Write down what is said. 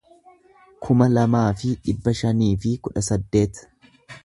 kuma lamaa fi dhibba shanii fi kudha saddeet